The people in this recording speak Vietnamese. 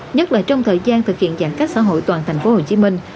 nhất là trong thời gian thực hiện giãn cách xã hội toàn thành phố hồ chí minh